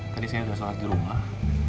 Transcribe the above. tadi saya sudah sholat di rumah